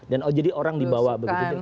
dan jadi orang dibawa begitu